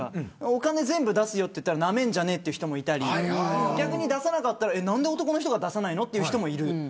お金、全部出すよと言ったらなめんじゃねえという人もいたり逆に出さなければなんで男の人が出さないのという人もいる。